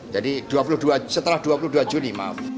jadi setelah dua puluh dua juni